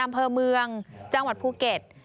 อำเภอเมืองจังหวัดภูเก็ต